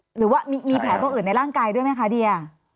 หรือว่ามีแผลตัวอื่นในร่างกายด้วยไหมคะเดีย